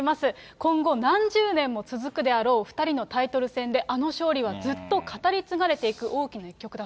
今後、何十年も続くであろう２人のタイトル戦で、あの勝利はずっと語り継がれていく大きな一局だと。